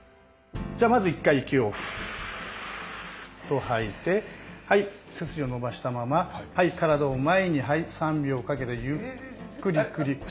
じゃあまず一回息をふっと吐いて背筋を伸ばしたまま体を前に３秒かけてゆっくり倒します。